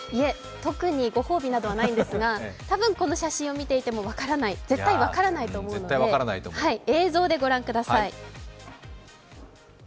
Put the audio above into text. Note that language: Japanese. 特にご褒美などはないんですが多分この写真を見ていても絶対分からないと思うので映像で御覧ください。